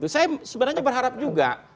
saya sebenarnya berharap juga